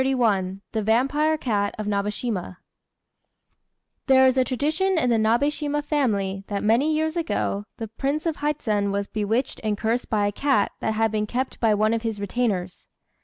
] THE VAMPIRE CAT OF NABÉSHIMA There is a tradition in the Nabéshima family that, many years ago, the Prince of Hizen was bewitched and cursed by a cat that had been kept by one of his retainers.